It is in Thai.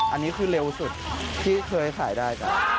อันนี้คือเร็วสุดที่เคยขายได้